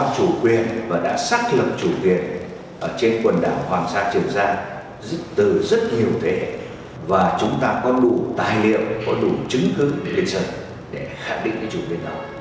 chúng ta có đủ tài liệu có đủ chứng cứ liên sân để khẳng định cái chủ quyền đó